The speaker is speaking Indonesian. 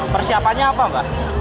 persiapannya apa mbak